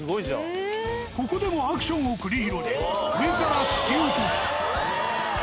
ここでもアクションを繰り広げ、上から突き落とす。